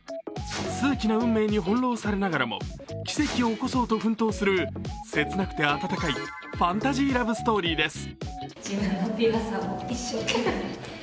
数奇な運命に翻弄されながらも奇跡を起こそうと奮闘する切なくて温かいファンタジーラブストーリーです。